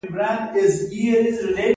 د ماښام دعا د زړونو آرام لپاره غوره ده.